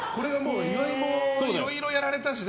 いろいろやられたしね。